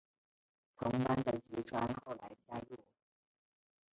同班的吉川后来加入。